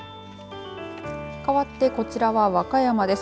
かわって、こちらは和歌山です。